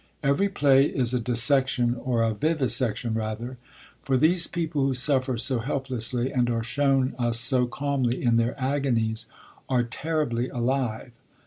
Every play is a dissection, or a vivisection rather; for these people who suffer so helplessly, and are shown us so calmly in their agonies, are terribly alive.